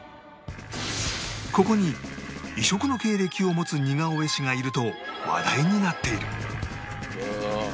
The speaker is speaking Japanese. ここに異色の経歴を持つ似顔絵師がいると話題になっている